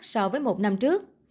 so với một năm trước